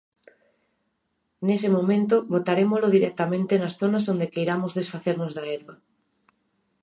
Nese momento botarémolo directamente nas zonas onde queiramos desfacernos da herba.